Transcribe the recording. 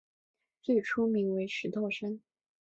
最初名为石头山。